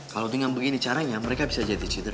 kalau dengan begini caranya mereka bisa jadi ceader